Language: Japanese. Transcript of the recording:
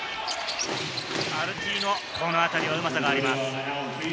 アルティーノ、このあたりはうまさがあります。